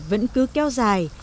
vẫn cứ kéo dài